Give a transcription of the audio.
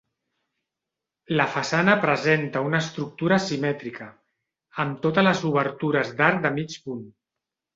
La façana presenta una estructura simètrica, amb totes les obertures d'arc de mig punt.